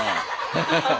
ハハハハハ。